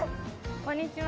こんにちは。